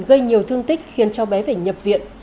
gây nhiều thương tích khiến cho bé phải nhập viện